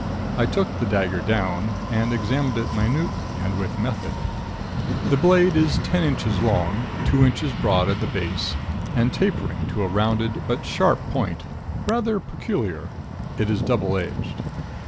I took the dagger down, and examined it minutely and with method. The blade is ten inches long, two inches broad at the base, and tapering to a rounded but sharp point, rather peculiar. It is double edged.